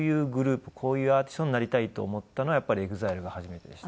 こういうアーティストになりたいと思ったのはやっぱりＥＸＩＬＥが初めてでした。